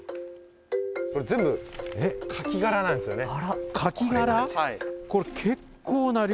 これ全部、カキ殻なんですよね。